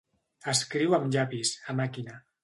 Escriu amb llapis, a màquina.